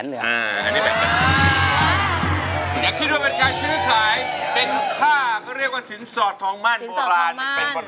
ร้องได้ให้ร้อง